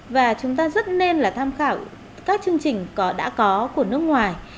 và chúng ta rất nên là tham khảo các chương trình đã có của nước ngoài